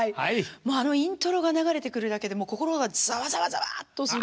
もうあのイントロが流れてくるだけで心がザワザワザワッとする。